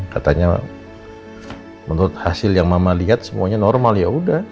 katanya menurut hasil yang mama lihat semuanya normal ya udah